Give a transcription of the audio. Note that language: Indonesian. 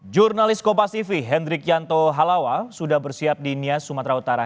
jurnalis kopas tv hendrik yanto halawa sudah bersiap di nias sumatera utara